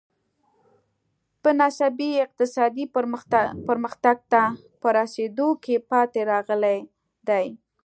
په نسبي اقتصادي پرمختګ ته په رسېدو کې پاتې راغلي دي.